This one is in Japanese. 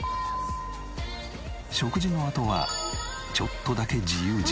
食事のあとはちょっとだけ自由時間。